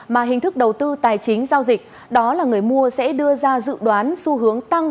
mà hình thức đầu tư tài chính giao dịch đó là người mua sẽ đưa ra dự đoán xu hướng tăng